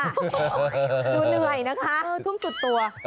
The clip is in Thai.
ดูเหนื่อยนะคะทุ่มสุดตัว